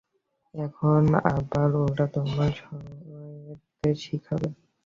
এখন আবার ওরা তোমার সাহেবদের শেখাবে।